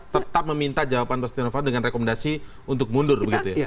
tetap meminta jawaban pak stinovan dengan rekomendasi untuk mundur